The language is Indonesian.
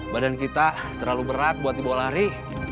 badan kita terlalu berat buat dibawa lari